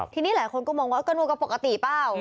ทีนี้หลายคนก็มองว่าก็นวดก็ปกติเปล่า